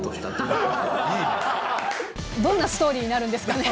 どんなストーリーになるんですかね。